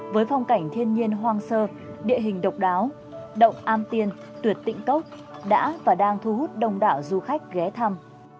với phong cảnh thiên nhiên hoang sơ địa hình độc đáo động am tiên tuyệt tĩnh cốc đã và đang thu hút đông đảo du khách ghé thăm